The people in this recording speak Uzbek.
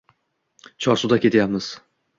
Chorsuda ketyapsiz.